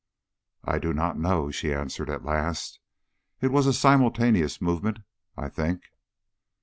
"I do not know," she answered at last. "It was a simultaneous movement, I think."